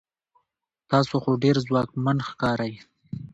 تاسو خو ډیر ځواکمن ښکارئ